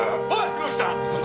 黒木さん！